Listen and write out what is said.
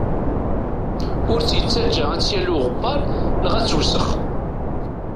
Ur tt-yettaǧǧa ad tt-yali uɣebbar neɣ ad tewsex.